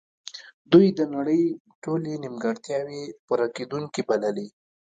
دوی د نړۍ ټولې نیمګړتیاوې پوره کیدونکې بللې